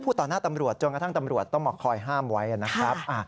ต่อหน้าตำรวจจนกระทั่งตำรวจต้องมาคอยห้ามไว้นะครับ